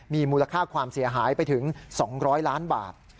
มีมูลค่าความเสียหายไปถึง๒๐๐ล้านบาท